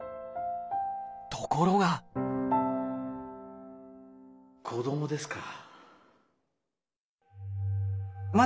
ところが子どもですか。